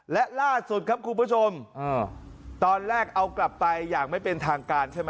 และล่าสุดครับคุณผู้ชมตอนแรกเอากลับไปอย่างไม่เป็นทางการใช่ไหม